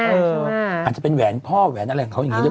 อาจจะเป็นแหวนพ่อแหวนอะไรของเขาอย่างนี้ด้วย